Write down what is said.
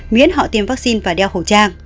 miễn họ tiêm vaccine và đeo khẩu trang